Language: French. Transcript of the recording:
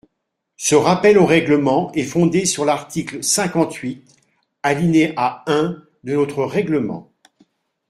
Ce rappel au règlement est fondé sur l’article cinquante-huit, alinéa un de notre règlement.